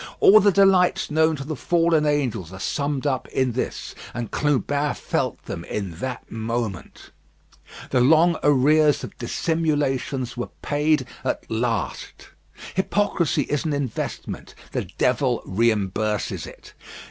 All the delights known to the fallen angels are summed up in this; and Clubin felt them in that moment. The long arrears of dissimulations were paid at last. Hypocrisy is an investment; the devil reimburses it.